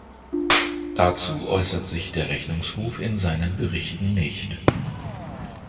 Dazu äußert sich der Rechnungshof in seinen Berichten nicht.